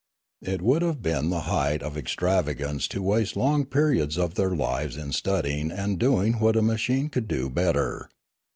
It would have been the height of extravagance to waste long periods of their lives in 18 274 Limanora studying and doing what a machine could, do better.